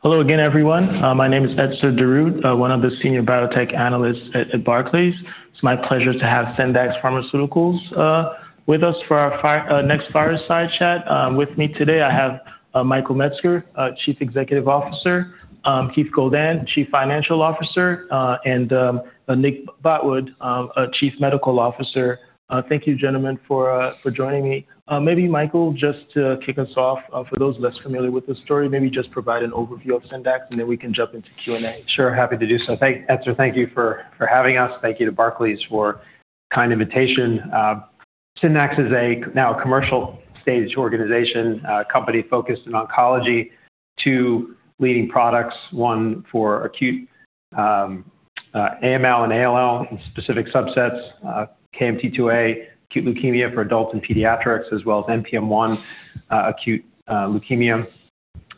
Hello again, everyone. My name is Etzer Darout, one of the Senior Biotech Analysts at Barclays. It's my pleasure to have Syndax Pharmaceuticals with us for our virtual fireside chat. With me today, I have Michael Metzger, our Chief Executive Officer, Keith Goldan, Chief Financial Officer, and Nick Botwood, our Chief Medical Officer. Thank you, gentlemen, for joining me. Maybe Michael, just to kick us off, for those less familiar with the story, maybe just provide an overview of Syndax, and then we can jump into Q&A. Sure, happy to do so. Etzer, thank you for having us. Thank you to Barclays for kind invitation. Syndax is a commercial-stage organization, company focused in oncology, two leading products, one for acute AML and ALL in specific subsets, KMT2A acute leukemia for adults and pediatrics, as well as NPM1 acute leukemia.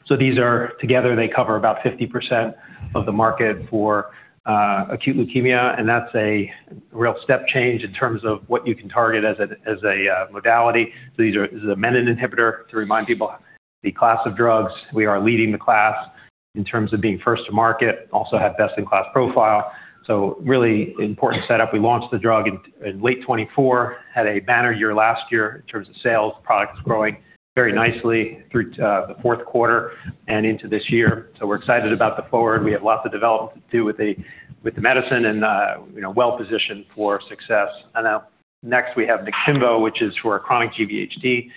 Together they cover about 50% of the market for acute leukemia, and that's a real step change in terms of what you can target as a modality. This is a menin inhibitor, to remind people, the class of drugs. We are leading the class in terms of being first to market, also have best-in-class profile. Really important setup. We launched the drug in late 2024, had a banner year last year in terms of sales. The product is growing very nicely through the fourth quarter and into this year. We're excited about the future. We have lots of development to do with the medicine and you know, well-positioned for success. Next we have Niktimvo, which is for chronic GVHD.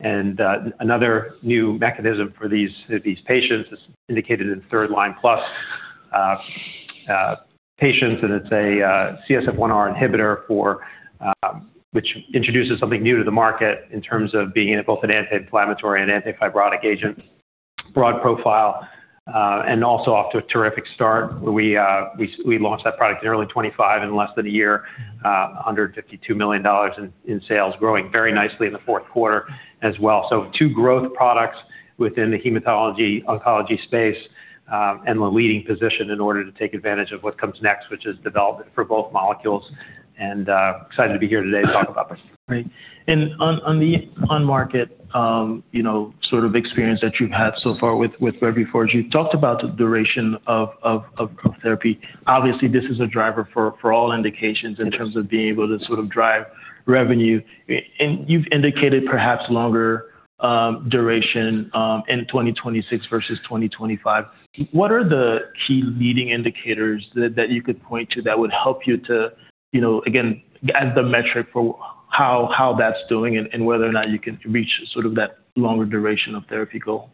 Another new mechanism for these patients is indicated in third line plus patients, and it's a CSF-1R inhibitor, which introduces something new to the market in terms of being both an anti-inflammatory and anti-fibrotic agent. Broad profile, and also off to a terrific start. We launched that product in early 2025 in less than a year, $152 million in sales, growing very nicely in the fourth quarter as well. Two growth products within the hematology oncology space, and the leading position in order to take advantage of what comes next, which is development for both molecules. Excited to be here today to talk about this. Great. On the on-market experience that you've had so far with Revuforj, you talked about the duration of therapy. Obviously, this is a driver for all indications in terms of being able to sort of drive revenue. You've indicated perhaps longer duration in 2026 versus 2025. What are the key leading indicators that you could point to that would help you to, again, as the metric for how that's doing and whether or not you can reach sort of that longer duration of therapy goal?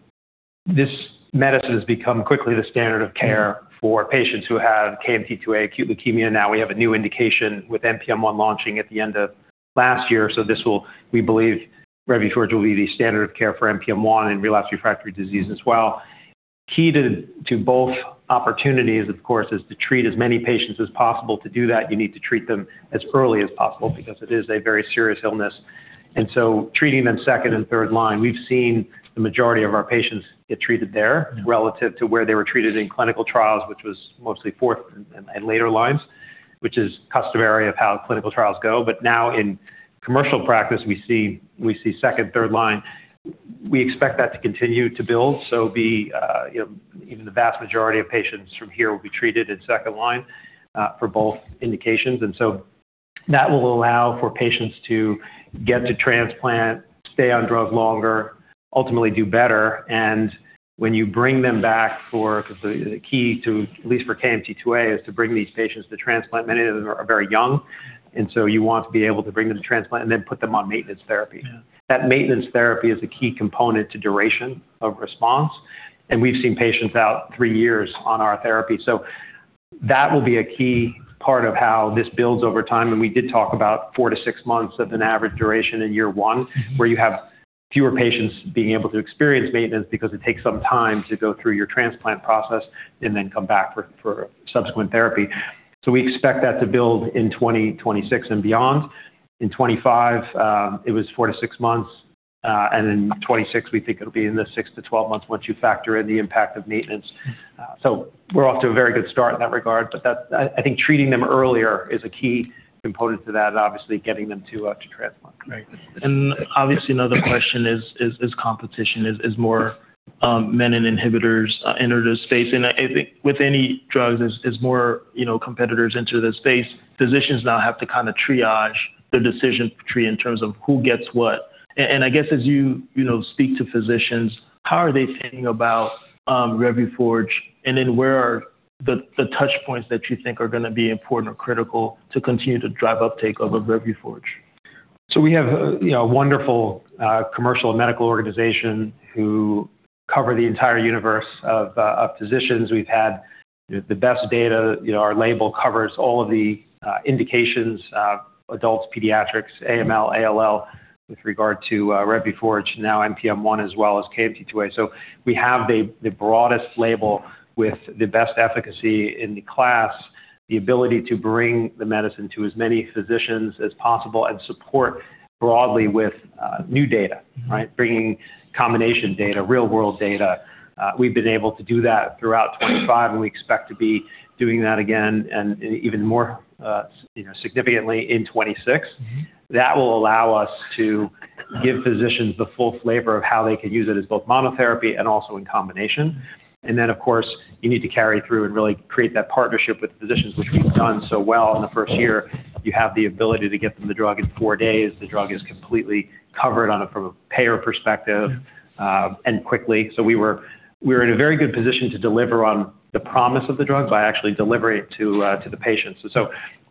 This medicine has become quickly the standard of care for patients who have KMT2A acute leukemia. Now we have a new indication with NPM1 launching at the end of last year. This will, we believe Revuforj will be the standard of care for NPM1 and relapsed refractory disease as well. Key to both opportunities, of course, is to treat as many patients as possible. To do that, you need to treat them as early as possible because it is a very serious illness. Treating them second and third line, we've seen the majority of our patients get treated there relative to where they were treated in clinical trials, which was mostly fourth and later lines, which is customary of how clinical trials go. Now in commercial practice, we see second, third line. We expect that to continue to build. The vast majority of patients from here will be treated in second line for both indications. That will allow for patients to get to transplant, stay on drug longer, ultimately do better. When you bring them back, 'cause the key to, at least for KMT2A, is to bring these patients to transplant. Many of them are very young, and you want to be able to bring them to transplant and then put them on maintenance therapy. Yeah. That maintenance therapy is a key component to duration of response, and we've seen patients out three years on our therapy. That will be a key part of how this builds over time, and we did talk about four-six months of an average duration in year one, where you have fewer patients being able to experience maintenance because it takes some time to go through your transplant process and then come back for subsequent therapy. We expect that to build in 2026 and beyond. In 2025, it was four-six months, and in 2026, we think it'll be in the 6-12 months once you factor in the impact of maintenance. We're off to a very good start in that regard, but that's. I think treating them earlier is a key component to that and obviously getting them to transplant. Right. Obviously, another question is competition. As more menin inhibitors enter the space. I think with any drugs, as more, you know, competitors enter the space, physicians now have to kind of triage the decision tree in terms of who gets what. I guess as you know, speak to physicians, how are they feeling about Revuforj? Then where are the touch points that you think are gonna be important or critical to continue to drive uptake of Revuforj? We have a, you know, wonderful commercial and medical organization who cover the entire universe of physicians. We've had the best data. You know, our label covers all of the indications, adults, pediatrics, AML, ALL, with regard to Revuforj, now NPM1 as well as KMT2A. We have the broadest label with the best efficacy in the class, the ability to bring the medicine to as many physicians as possible and support broadly with new data, right? Bringing combination data, real-world data. We've been able to do that throughout 2025, and we expect to be doing that again and even more, you know, significantly in 2026. That will allow us to give physicians the full flavor of how they could use it as both monotherapy and also in combination. Then, of course, you need to carry through and really create that partnership with physicians, which we've done so well in the first year. You have the ability to get them the drug in four days. The drug is completely covered on it from a payer perspective, and quickly. We're in a very good position to deliver on the promise of the drug by actually delivering it to the patients.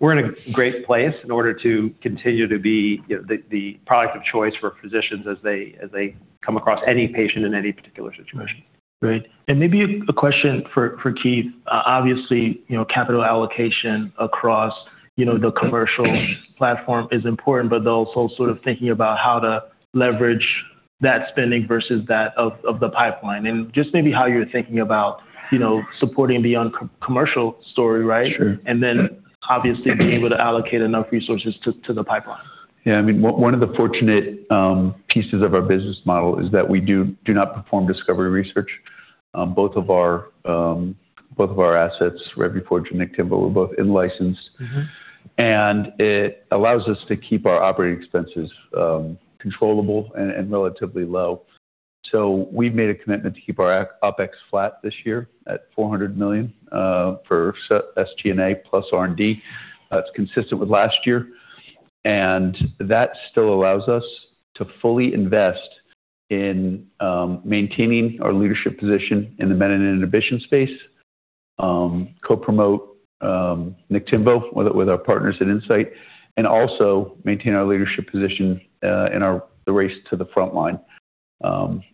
We're in a great place in order to continue to be the product of choice for physicians as they come across any patient in any particular situation. Great. Maybe a question for Keith. Obviously, you know, capital allocation across, you know, the commercial platform is important, but also sort of thinking about how to leverage that spending versus that of the pipeline and just maybe how you're thinking about, you know, supporting the commercial story, right? Sure. Obviously being able to allocate enough resources to the pipeline. Yeah. I mean, one of the fortunate pieces of our business model is that we do not perform discovery research. Both of our assets, Revuforj and Niktimvo, were both in-licensed. It allows us to keep our operating expenses controllable and relatively low. We've made a commitment to keep our OpEx flat this year at $400 million for SG&A plus R&D. That's consistent with last year. That still allows us to fully invest in maintaining our leadership position in the menin inhibition space, co-promote Niktimvo with our partners at Incyte, and also maintain our leadership position in the race to the frontline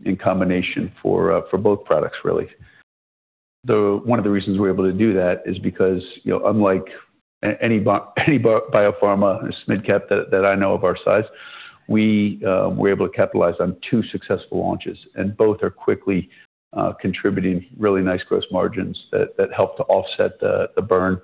in combination for both products, really. One of the reasons we're able to do that is because, you know, unlike any biopharma mid-cap that I know of our size, we're able to capitalize on two successful launches, and both are quickly contributing really nice gross margins that help to offset the burn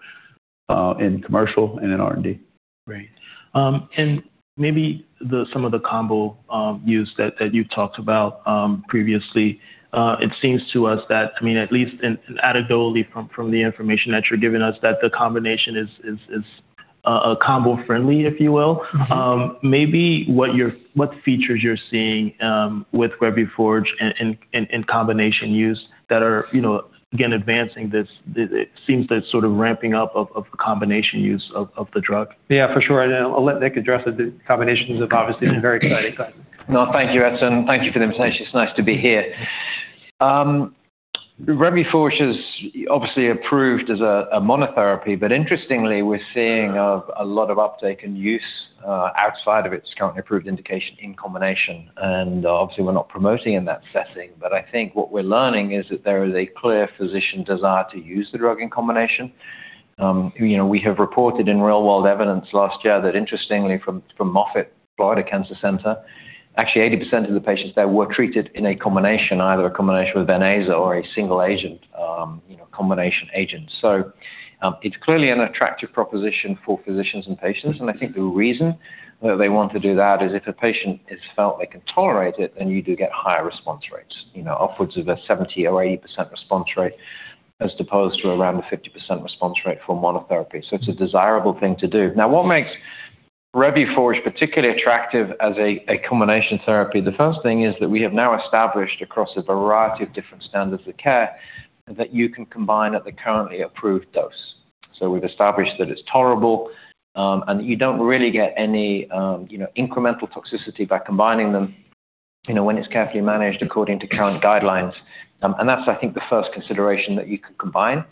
in commercial and in R&D. Great. Maybe some of the combo use that you talked about previously. It seems to us that, I mean, at least anecdotally from the information that you're giving us, that the combination is combo-friendly, if you will. Maybe what features you're seeing with Revuforj in combination use that are, you know, again, advancing this. It seems that sort of ramping up of the combination use of the drug. Yeah, for sure. I'll let Nick address it. The combinations have obviously been very exciting. Go ahead. No, thank you, Etzer. Thank you for the invitation. It's nice to be here. Revuforj is obviously approved as a monotherapy, but interestingly, we're seeing a lot of uptake and use outside of its currently approved indication in combination. Obviously, we're not promoting in that setting. I think what we're learning is that there is a clear physician desire to use the drug in combination. You know, we have reported in real-world evidence last year that interestingly, from Moffitt Cancer Center, actually 80% of the patients there were treated in a combination, either a combination with Venclexta or a single agent, you know, combination agent. It's clearly an attractive proposition for physicians and patients. I think the reason that they want to do that is if a patient is felt they can tolerate it, then you do get higher response rates, you know, upwards of a 70% or 80% response rate, as opposed to around the 50% response rate for monotherapy. It's a desirable thing to do. Now, what makes Revuforj particularly attractive as a combination therapy? The first thing is that we have now established across a variety of different standards of care that you can combine at the currently approved dose. We've established that it's tolerable, and you don't really get any, you know, incremental toxicity by combining them, you know, when it's carefully managed according to current guidelines. And that's, I think, the first consideration that you can combine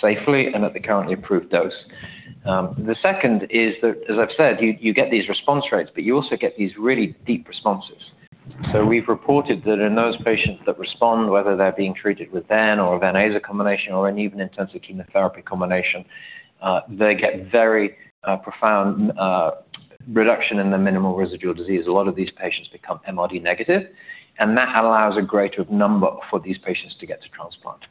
safely and at the currently approved dose. The second is that, as I've said, you get these response rates, but you also get these really deep responses. We've reported that in those patients that respond, whether they're being treated with ven or Venclexta combination or an even intensive chemotherapy combination, they get very profound reduction in the minimal residual disease. A lot of these patients become MRD negative, and that allows a greater number for these patients to get to transplant.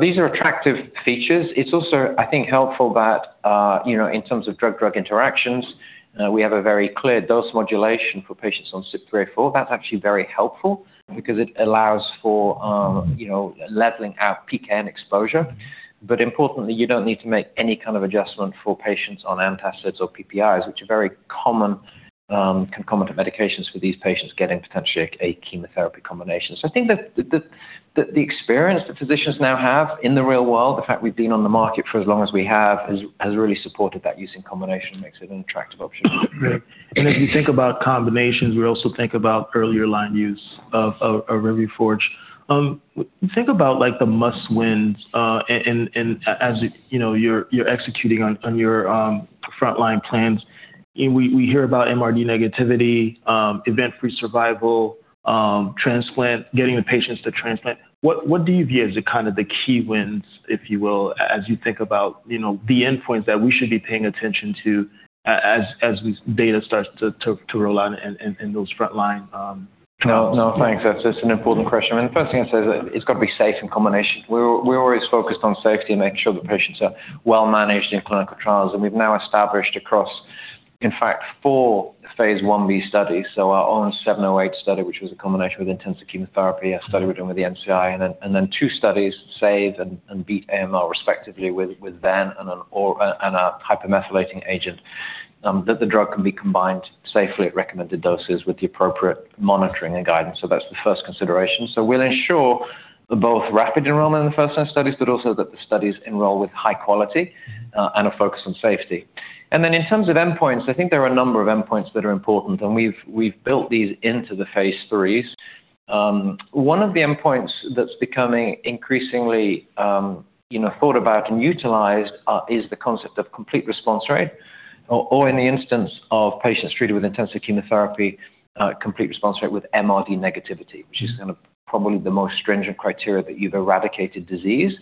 These are attractive features. It's also, I think, helpful that, you know, in terms of drug-drug interactions, we have a very clear dose modulation for patients on CYP3A4. That's actually very helpful because it allows for, you know, leveling out PK exposure. Importantly, you don't need to make any kind of adjustment for patients on antacids or PPIs, which are very common, concomitant medications for these patients getting potentially a chemotherapy combination. I think the experience that physicians now have in the real world, the fact we've been on the market for as long as we have, has really supported that use in combination makes it an attractive option. Great. If you think about combinations, we also think about earlier line use of Revuforj. Think about like the must wins, and as you know, you're executing on your frontline plans. We hear about MRD negativity, event-free survival, transplant, getting the patients to transplant. What do you view as the kind of key wins, if you will, as you think about, you know, the endpoints that we should be paying attention to as data starts to roll out in those frontline trials? No. Thanks. That's an important question. I mean, the first thing I'd say is that it's got to be safe in combination. We're always focused on safety and making sure the patients are well managed in clinical trials. We've now established across, in fact, four phase I-B studies. Our own 708 study, which was a combination with intensive chemotherapy, a study we're doing with the NCI, and then two studies, SAVE and BEAT AML, respectively, with ven and a hypomethylating agent, that the drug can be combined safely at recommended doses with the appropriate monitoring and guidance. That's the first consideration. We'll ensure both rapid enrollment in the first-line studies, but also that the studies enroll with high quality, and a focus on safety. Then in terms of endpoints, I think there are a number of endpoints that are important, and we've built these into the phase IIIs. One of the endpoints that's becoming increasingly, you know, thought about and utilized is the concept of complete response rate or in the instance of patients treated with intensive chemotherapy, complete response rate with MRD negativity, which is kind of probably the most stringent criteria that you've eradicated disease.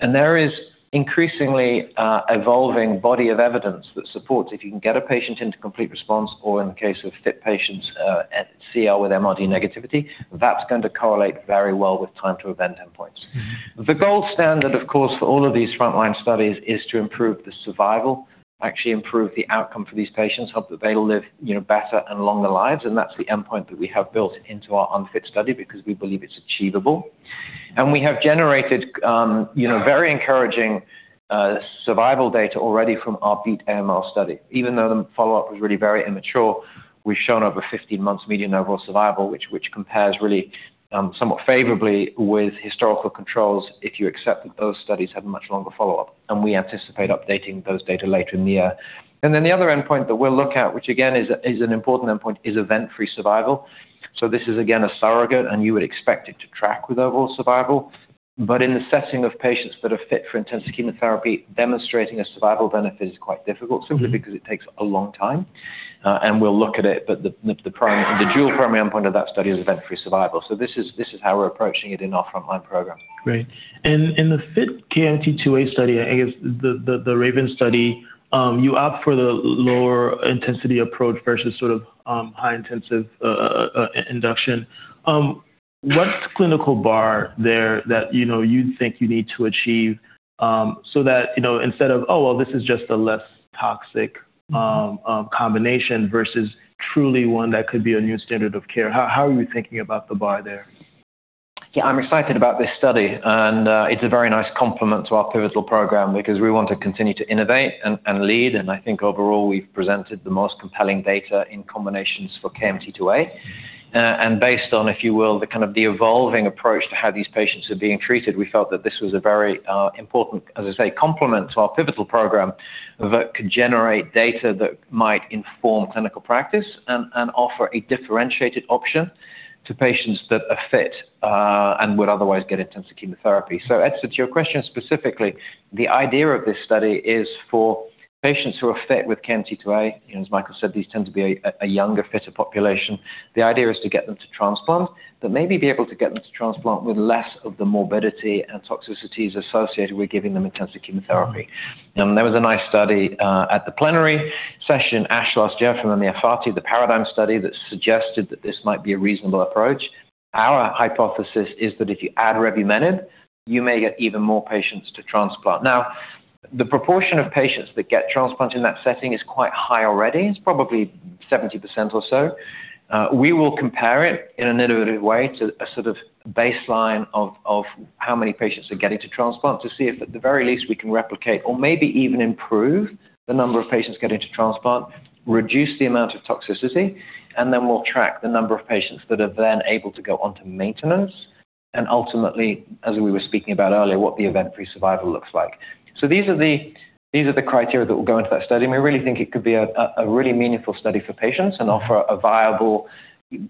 There is increasingly evolving body of evidence that supports if you can get a patient into complete response or in the case of fit patients, to CR with MRD negativity, that's going to correlate very well with time to event endpoints. The gold standard, of course, for all of these frontline studies is to improve the survival, actually improve the outcome for these patients, hope that they live, you know, better and longer lives. That's the endpoint that we have built into our UNFIT study because we believe it's achievable. We have generated, you know, very encouraging survival data already from our BEAT AML study. Even though the follow-up was really very immature, we've shown over 15 months median overall survival, which compares really somewhat favorably with historical controls, if you accept that those studies have much longer follow-up, and we anticipate updating those data later in the year. Then the other endpoint that we'll look at, which again is an important endpoint, is event-free survival. This is again a surrogate, and you would expect it to track with overall survival. In the setting of patients that are fit for intensive chemotherapy, demonstrating a survival benefit is quite difficult simply because it takes a long time, and we'll look at it. The dual primary endpoint of that study is event-free survival. This is how we're approaching it in our frontline program. Great. In the KMT2A study, I guess the RAVEN study, you opt for the lower intensity approach versus sort of high-intensity induction. What's the clinical bar there that you know you think you need to achieve, so that you know, instead of, oh, well, this is just a less toxic combination versus truly one that could be a new standard of care? How are you thinking about the bar there? Yeah, I'm excited about this study, and it's a very nice complement to our pivotal program because we want to continue to innovate and lead. I think overall, we've presented the most compelling data in combinations for KMT2A. Based on, if you will, the kind of the evolving approach to how these patients are being treated, we felt that this was a very important, as I say, complement to our pivotal program that could generate data that might inform clinical practice and offer a differentiated option to patients that are fit and would otherwise get intensive chemotherapy. Etzer, to your question specifically, the idea of this study is for patients who are fit with KMT2A, and as Michael said, these tend to be a younger, fitter population. The idea is to get them to transplant, but maybe be able to get them to transplant with less of the morbidity and toxicities associated with giving them intensive chemotherapy. There was a nice study at the plenary session, ASH last year from Amir Fathi, the PARADIGM study that suggested that this might be a reasonable approach. Our hypothesis is that if you add revumenib, you may get even more patients to transplant. Now, the proportion of patients that get transplants in that setting is quite high already. It's probably 70% or so. We will compare it in an iterative way to a sort of baseline of how many patients are getting to transplant to see if at the very least we can replicate or maybe even improve the number of patients getting to transplant, reduce the amount of toxicity, and then we'll track the number of patients that are then able to go on to maintenance. Ultimately, as we were speaking about earlier, what the event-free survival looks like. These are the criteria that will go into that study, and we really think it could be a really meaningful study for patients and offer a viable,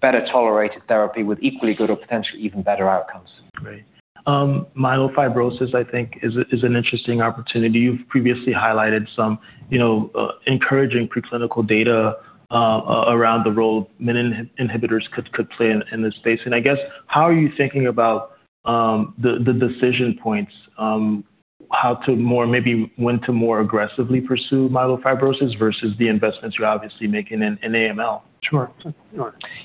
better tolerated therapy with equally good or potentially even better outcomes. Great. Myelofibrosis, I think, is an interesting opportunity. You've previously highlighted some, you know, encouraging preclinical data around the role menin inhibitors could play in this space. I guess, how are you thinking about the decision points, how to more maybe when to more aggressively pursue myelofibrosis versus the investments you're obviously making in AML? Sure.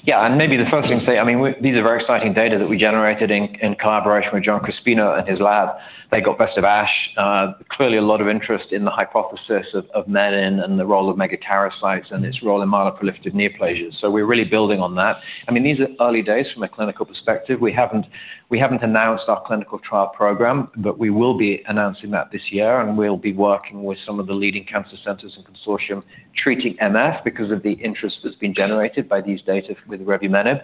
Yeah. Maybe the first thing to say, I mean, these are very exciting data that we generated in collaboration with John Crispino and his lab. They got best of ASH. Clearly a lot of interest in the hypothesis of menin and the role of megakaryocytes and its role in myeloproliferative neoplasm. We're really building on that. I mean, these are early days from a clinical perspective. We haven't announced our clinical trial program, but we will be announcing that this year, and we'll be working with some of the leading cancer centers and consortium treating MF because of the interest that's been generated by these data with revumenib,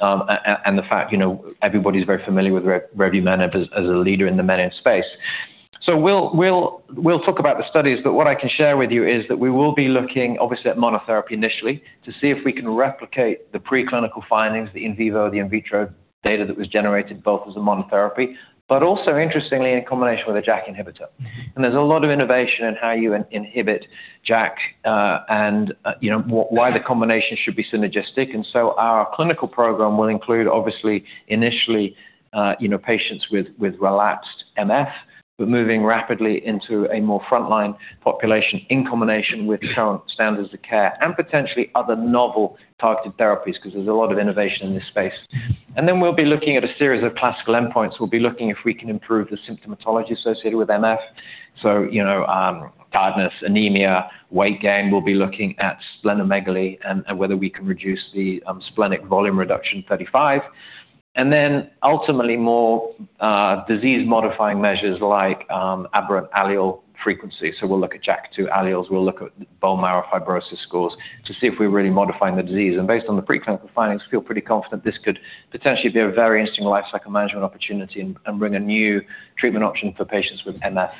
and the fact, you know, everybody's very familiar with revumenib as a leader in the menin space. We'll talk about the studies, but what I can share with you is that we will be looking obviously at monotherapy initially to see if we can replicate the preclinical findings, the in vivo, the in vitro data that was generated both as a monotherapy, but also interestingly, in combination with a JAK inhibitor. There's a lot of innovation in how you inhibit JAK, and, you know, why the combination should be synergistic. Our clinical program will include, obviously, initially, you know, patients with relapsed MF, but moving rapidly into a more frontline population in combination with current standards of care and potentially other novel targeted therapies because there's a lot of innovation in this space. Then we'll be looking at a series of classical endpoints. We'll be looking if we can improve the symptomatology associated with MF. You know, tiredness, anemia, weight gain. We'll be looking at splenomegaly and whether we can reduce the splenic volume reduction 35. Then ultimately more disease modifying measures like variant allele frequency. We'll look at JAK2 alleles, we'll look at bone marrow fibrosis scores to see if we're really modifying the disease. Based on the preclinical findings, feel pretty confident this could potentially be a very interesting lifecycle management opportunity and bring a new treatment option for patients with MF.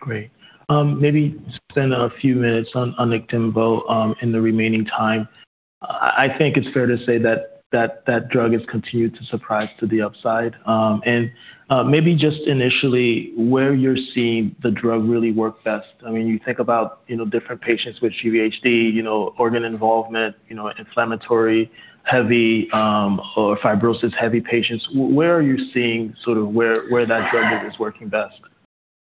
Great. Maybe spend a few minutes on axatilimab in the remaining time. I think it's fair to say that drug has continued to surprise to the upside. Maybe just initially where you're seeing the drug really work best. I mean, you know, different patients with GVHD, you know, organ involvement, you know, inflammatory, heavy, or fibrosis-heavy patients. Where are you seeing sort of where that drug is working best?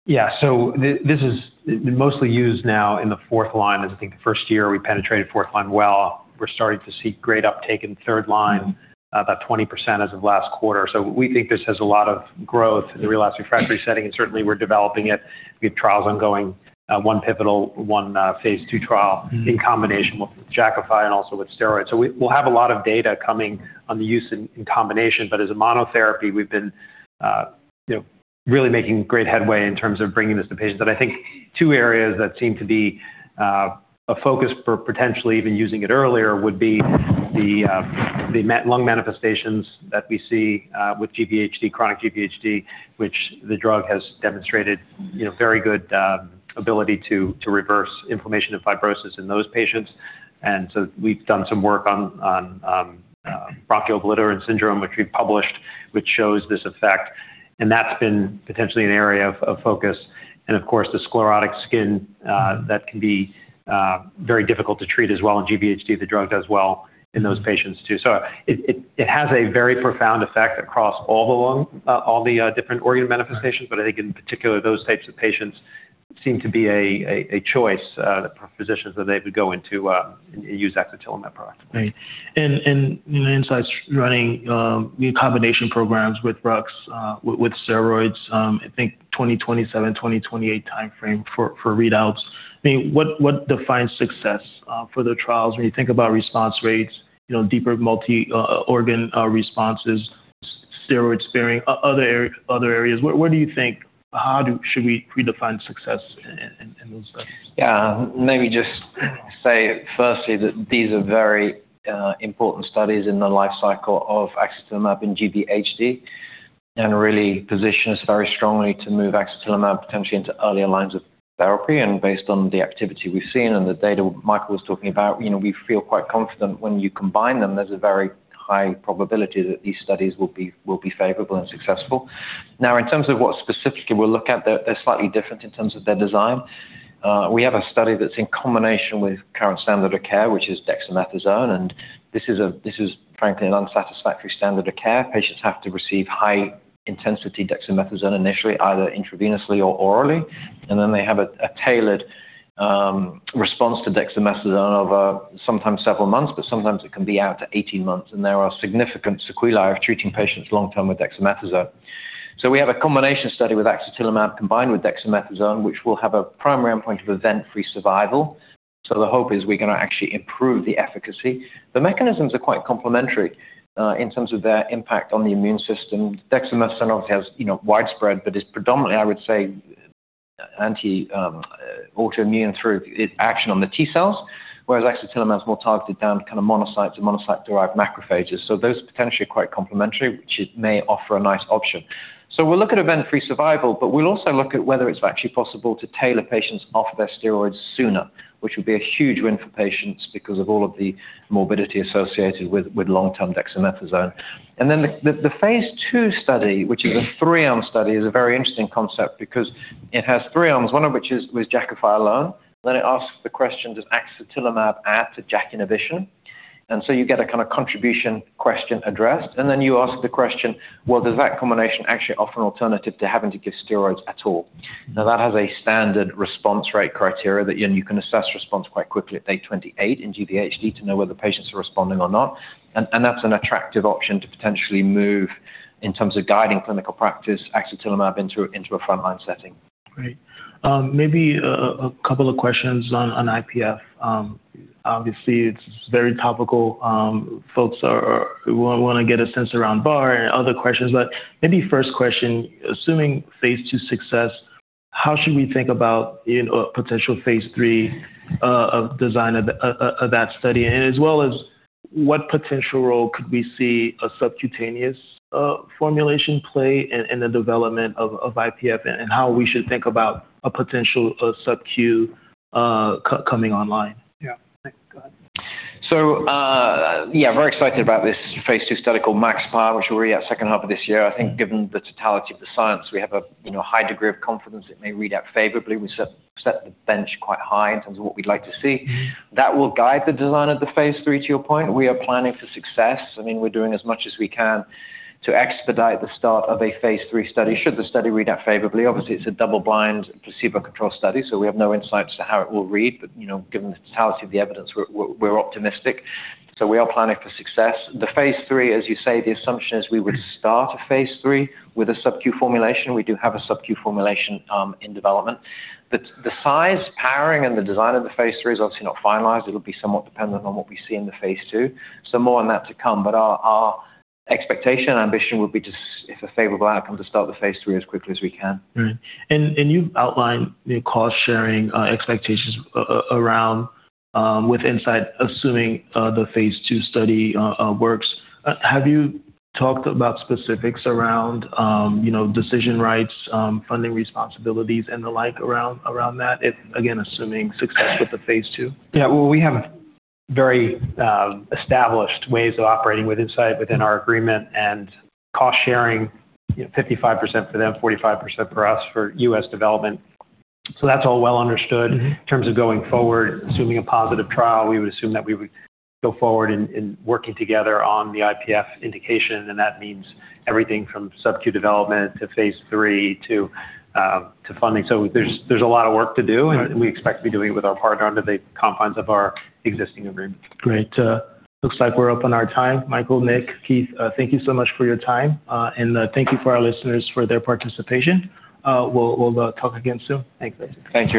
Yeah. This is mostly used now in the fourth line. I think the first year we penetrated fourth line well. We're starting to see great uptake in third line, about 20% as of last quarter. We think this has a lot of growth in the real-life refractory setting, and certainly we're developing it. We have trials ongoing, one pivotal, one phase II trial in combination with Jakafi and also with steroids. We'll have a lot of data coming on the use in combination. As a monotherapy, we've been, you know, really making great headway in terms of bringing this to patients. I think two areas that seem to be a focus for potentially even using it earlier would be the lung manifestations that we see with GVHD, chronic GVHD, which the drug has demonstrated, you know, very good ability to reverse inflammation and fibrosis in those patients. We've done some work on bronchiolitis obliterans syndrome, which we've published, which shows this effect, and that's been potentially an area of focus. Of course, the sclerotic skin that can be very difficult to treat as well. In GVHD, the drug does well in those patients too. It has a very profound effect across all the lung, all the different organ manifestations. I think in particular, those types of patients seem to be a choice for physicians that they would go into use axatilimab product. Right. You know, Incyte's running new combination programs with drugs with steroids, I think 2027, 2028 timeframe for readouts. I mean, what defines success for the trials when you think about response rates, you know, deeper multi organ responses, steroid sparing, other areas? Where do you think how do should we predefine success in those studies? Yeah. Maybe just say firstly that these are very important studies in the lifecycle of axatilimab in GVHD, and really position us very strongly to move axatilimab potentially into earlier lines of therapy. Based on the activity we've seen and the data Michael was talking about, you know, we feel quite confident when you combine them, there's a very high probability that these studies will be favorable and successful. Now, in terms of what specifically we'll look at, they're slightly different in terms of their design. We have a study that's in combination with current standard of care, which is dexamethasone, and this is frankly an unsatisfactory standard of care. Patients have to receive high-intensity dexamethasone initially, either intravenously or orally, and then they have a tailored response to dexamethasone over sometimes several months, but sometimes it can be out to 18 months, and there are significant sequelae of treating patients long-term with dexamethasone. We have a combination study with axatilimab combined with dexamethasone, which will have a primary endpoint of event-free survival. The hope is we're gonna actually improve the efficacy. The mechanisms are quite complementary in terms of their impact on the immune system. Dexamethasone obviously has you know widespread, but is predominantly, I would say, anti autoimmune through its action on the T cells, whereas axatilimab is more targeted down kind of monocytes and monocyte-derived macrophages. Those potentially are quite complementary, which it may offer a nice option. We'll look at event-free survival, but we'll also look at whether it's actually possible to tailor patients off their steroids sooner, which would be a huge win for patients because of all of the morbidity associated with long-term dexamethasone. The phase two study, which is a three-arm study, is a very interesting concept because it has three arms, one of which is with Jakafi alone. It asks the question, does axatilimab add to JAK inhibition? You get a kind of contribution question addressed, and then you ask the question, well, does that combination actually offer an alternative to having to give steroids at all? Now, that has a standard response rate criteria that, you know, you can assess response quite quickly at day 28 in GVHD to know whether patients are responding or not. That's an attractive option to potentially move in terms of guiding clinical practice axatilimab into a frontline setting. Great. Maybe a couple of questions on IPF. Obviously, it's very topical. Folks wanna get a sense around Barclays and other questions. Maybe first question, assuming phase II success, how should we think about, you know, a potential phase III of design of that study? And as well as what potential role could we see a subcutaneous formulation play in the development of IPF and how we should think about a potential subcutaneous coming online? Yeah. Nick, go ahead. Very excited about this phase II study called MAXPIRe 3 at second half of this year. I think given the totality of the science, we have a you know high degree of confidence it may read out favorably. We set the bench quite high in terms of what we'd like to see. That will guide the design of the phase III, to your point. We are planning for success. I mean, we're doing as much as we can to expedite the start of a phase III study should the study read out favorably. Obviously, it's a double-blind placebo-controlled study, so we have no insights into how it will read. You know, given the totality of the evidence, we're optimistic. We are planning for success. The phase III, as you say, the assumption is we would start a phase III with a subcutaneous formulation. We do have a subcutaneous formulation in development. The size, powering, and the design of the phase III is obviously not finalized. It would be somewhat dependent on what we see in the phase II. More on that to come, but our expectation and ambition would be just, if a favorable outcome, to start the phase III as quickly as we can. Right. You've outlined, you know, cost-sharing expectations around with Incyte, assuming the phase II study works. Have you talked about specifics around, you know, decision rights, funding responsibilities and the like around that, if, again, assuming success with the phase II? Well, we have very established ways of operating with Incyte within our agreement and cost sharing, you know, 55% for them, 45% for us for U.S. development. That's all well understood. In terms of going forward, assuming a positive trial, we would assume that we would go forward in working together on the IPF indication, and that means everything from subcutaneous development to phase III to funding. There's a lot of work to do, and we expect to be doing it with our partner under the confines of our existing agreement. Great. Looks like we're up on our time. Michael, Nick, Keith, thank you so much for your time. Thank you for our listeners for their participation. We'll talk again soon. Thanks. Thank you.